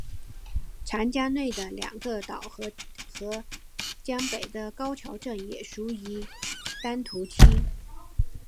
长江内的两个岛和江北的高桥镇也属于丹徒区。